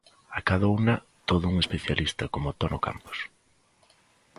Acadouna todo un especialista como Tono Campos.